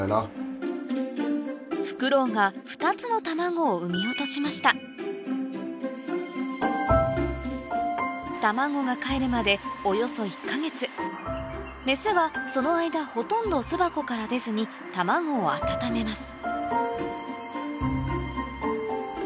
フクロウが２つの卵を産み落としましたメスはその間ほとんど巣箱から出ずに卵を温めます